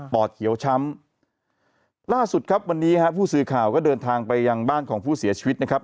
เขียวช้ำล่าสุดครับวันนี้ฮะผู้สื่อข่าวก็เดินทางไปยังบ้านของผู้เสียชีวิตนะครับ